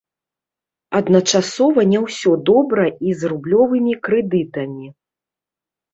Адначасова не ўсё добра і з рублёвымі крэдытамі.